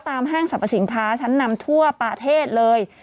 ห้างสรรพสินค้าชั้นนำทั่วประเทศเลย